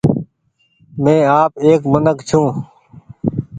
مين آپ ايڪ منک ڇون۔